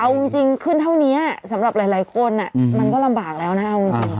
เอาจริงขึ้นเท่านี้สำหรับหลายคนมันก็ลำบากแล้วนะเอาจริง